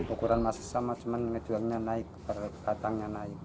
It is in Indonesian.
ukuran masih sama cuma jualnya naik perbatangnya naik